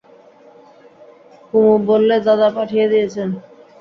কুমু বললে, দাদা পাঠিয়ে দিয়েছেন।